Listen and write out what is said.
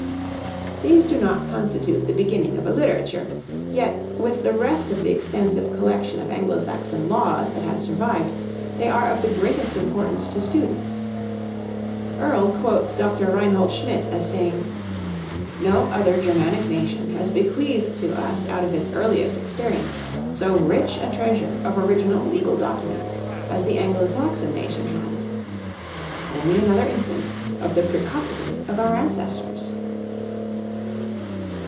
These do not constitute the beginning of a literature, yet, with the rest of the extensive collection of Anglo Saxon laws that has survived, they are of the greatest importance to students. Earle quotes Dr. Reinhold Schmid as saying, "No other Germanic nation has bequeathed to us out of its earliest experience so rich a treasure of original legal documents as the Anglo Saxon nation has," only another instance of the precocity of our ancestors.